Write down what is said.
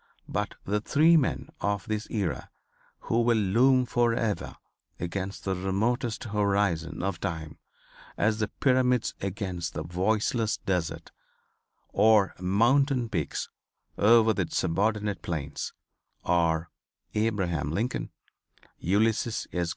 But the three men of this era who will loom forever against the remotest horizon of time, as the pyramids against the voiceless desert, or mountain peaks over the subordinate plains, are Abraham Lincoln, Ulysses S.